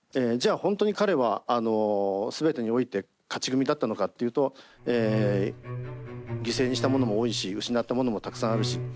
じゃあ本当に彼はすべてにおいて勝ち組だったのかっていうと犠牲にしたものも多いし失ったものもたくさんあるし